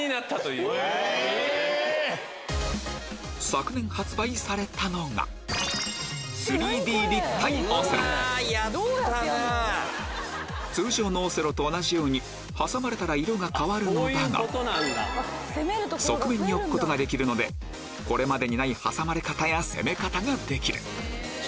昨年発売されたのが通常のオセロと同じように挟まれたら色が変わるのだが側面に置くことができるのでこれまでにない挟まれ方や攻め方ができる